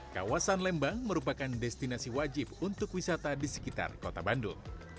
kawasan lembang merupakan destinasi wajib untuk wisata di sekitar kota bandung